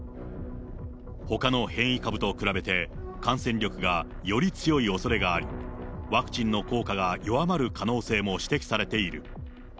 ほかの変異株と比べて、感染力がより強いおそれがあり、ワクチンの効果が弱まる可能性も指摘されている。